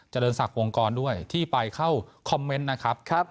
รินศักดิ์วงกรด้วยที่ไปเข้าคอมเมนต์นะครับ